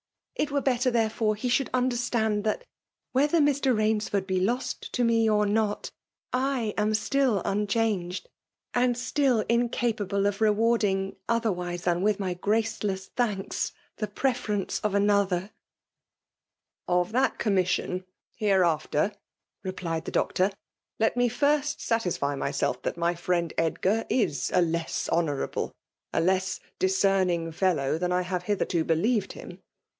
It wete better/ therefore^ he should understand that, whether Mr. Kainsford be lost to me of not, / am still unchanged, and still incapable of rewarding otherwise than with my graceless thanks, the preference of another/' "Of that coramission, hereafter,'' — replied the Doctor. '^ Let me first satisfy myself that my friend Edgar is a less honourable, a less discerning fdlow than I have hitherto believed him.